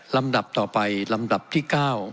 ลำดับต่อไปลำดับที่๙